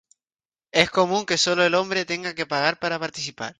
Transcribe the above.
Es común que solo el hombre tenga que pagar para participar.